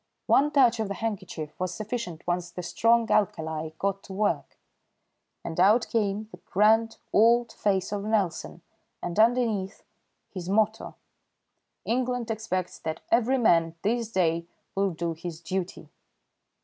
One touch of the handkerchief was sufficient once the strong alkali got to work, and out came the grand old face of Nelson and underneath his motto: "England expects that every man this day will do his duty."